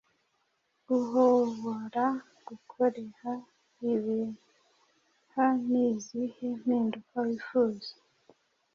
uhobora gukoreha ibihya Ni izihe mpinduka wifuza